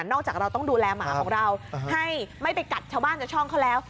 จากเราต้องดูแลหมาของเราให้ไม่ไปกัดชาวบ้านชาวช่องเขาแล้ว